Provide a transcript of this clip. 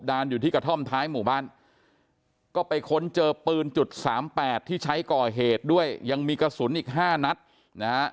โดยปืนจุด๓๘ที่ใช้ก่อเหตุด้วยยังมีกระสุนอีก๕นัดนะครับ